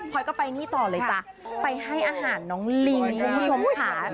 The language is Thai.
พอยก็ไปนี่ต่อเลยจ้ะไปให้อาหารน้องลิงคุณผู้ชมค่ะ